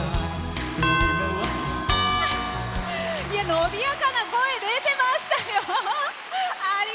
伸びやかな声出てましたよ。